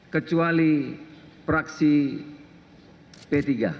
kecuali praksi p tiga